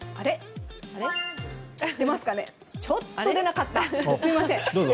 ちょっと出なかったすみません。